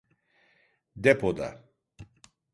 Depoda.